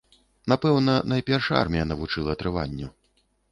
Напэўна, найперш армія навучыла трыванню.